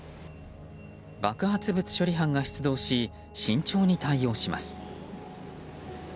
爆発物処理班が出動し慎重に対応します。